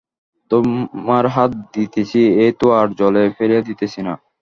তােমার হাতে দিতেছি, এ তো আর জলে ফেলিয়া দিতেছি না?